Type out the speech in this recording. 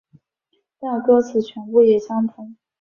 但歌词全部也相同。